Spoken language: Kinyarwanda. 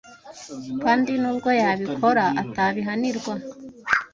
kandi ko nubwo yabikora atabihanirwa